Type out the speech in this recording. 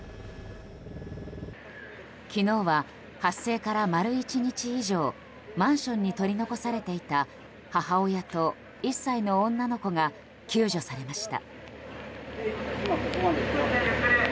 昨日は、発生から丸１日以上マンションに取り残されていた母親と１歳の女の子が救助されました。